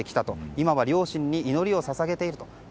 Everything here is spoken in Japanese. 今は両親に祈りを捧げていると。